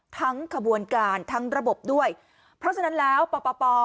ทั้งขบวนการทั้งระบบด้วยเพราะฉะนั้นแล้วปป